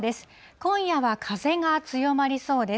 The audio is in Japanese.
今夜は風が強まりそうです。